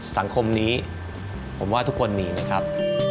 สังคมนี้ผมว่าทุกคนมีนะครับ